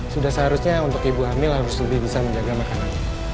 sudah seharusnya untuk ibu hamil harus lebih bisa menjaga makanan